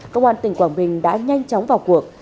cơ quan tỉnh quảng bình đã nhanh chóng vào cuộc